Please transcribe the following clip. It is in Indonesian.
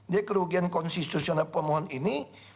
jadi kerugian konstitusional pemohon ini